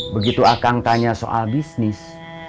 begitu akan tanya soal bisnis